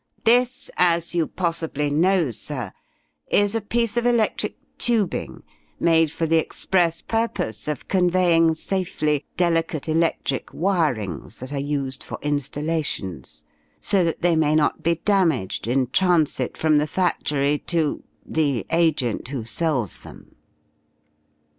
"This, as you possibly know, sir, is a piece of electric tubing made for the express purpose of conveying safely delicate electric wirings that are used for installations, so that they may not be damaged in transit from the factory to the agent who sells them.